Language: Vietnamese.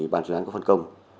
ban chuyên án phân công